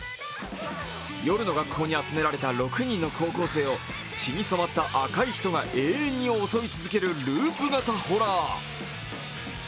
夜の学校に集められた６人の高校生を血に染まった赤い人が永遠に襲い続けるループ型ホラー。